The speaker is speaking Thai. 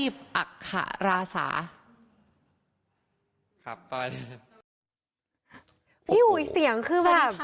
พี่อุ๋ยเสียงคือแบบ